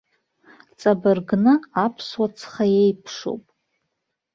Ҵабыргны аԥсуа цха еиԥшуп.